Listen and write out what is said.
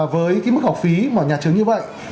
với cái mức học phí mà nhà trường như vậy